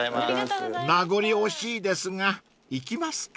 ［名残惜しいですが行きますか］